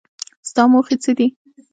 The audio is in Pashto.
ستا موخې څه دي ؟